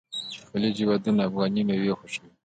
د خلیج هیوادونه افغاني میوې خوښوي.